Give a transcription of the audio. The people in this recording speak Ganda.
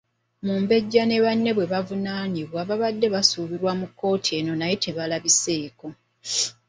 Mubajje ne banne bwe bavunaanibwa baabadde basuubira mu kkooti eno naye tebaalabiseeko.